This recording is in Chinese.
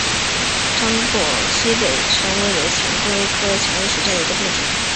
长果西北蔷薇为蔷薇科蔷薇属下的一个变种。